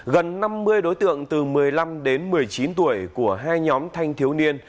gần năm mươi đối tượng từ một mươi năm đến một mươi chín tuổi của hai nhóm thanh thiếu niên